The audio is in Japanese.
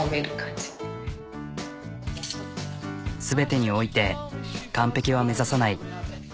全てにおいて完璧は目指さない。